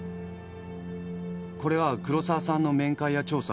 これは黒澤さんの面会や調査